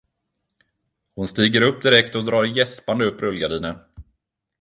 Hon stiger upp direkt och drar gäspande upp rullgardinen.